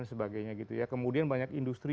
dan sebagainya gitu ya kemudian banyak industri